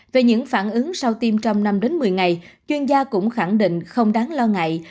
về những phản ứng sau tiêm trong năm đến một mươi ngày chuyên gia cũng khẳng định không đáng lo ngại